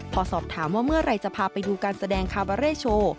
พอสอบถามว่าเมื่อไหร่จะพาไปดูการแสดงคาบาเร่โชว์